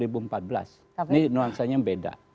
ini nuansanya beda